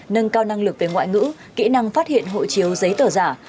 nâng cao năng lực về ngoại ngữ kỹ năng phát hiện hộ chiếu giấy tờ giả